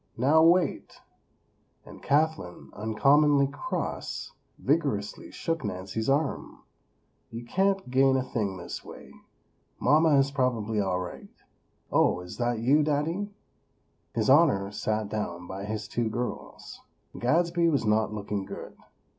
"Now, wait!" and Kathlyn, uncommonly cross, vigorously shook Nancy's arm. "You can't gain a thing this way. Mama is probably all right. Oh, is that you, Daddy?" His Honor sat down by his two girls. Gadsby was not looking good.